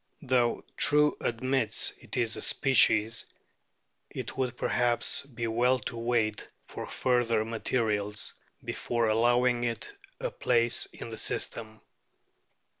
Though True admits it is a species, it would perhaps be well to wait for further materials before allowing it a place in the system.